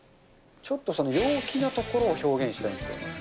ちょっと陽気なところを表現したいんですよね。